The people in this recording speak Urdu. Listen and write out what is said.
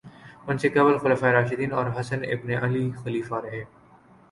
ان سے قبل خلفائے راشدین اور حسن ابن علی خلیفہ رہے